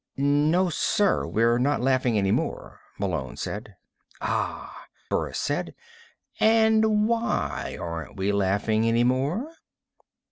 "No, sir, we're not laughing any more," Malone said. "Ah," Burris said. "And why aren't we laughing any more?"